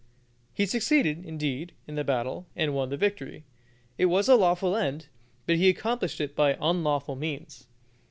He succeeded, indeed, in the battle, and won the victory. It was a lawful end, but he accomplished it by unlawful means.